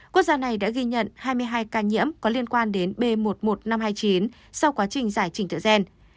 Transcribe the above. quốc gia này đã ghi nhận hai mươi hai ca nhiễm có liên quan đến b một mươi một nghìn năm trăm hai mươi chín sau quá trình giải trình tự gen